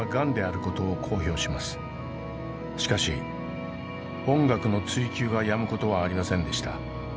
しかし音楽の追求がやむことはありませんでした。